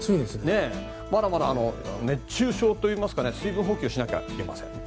まだまだ熱中症といいますか水分補給しなければいけません。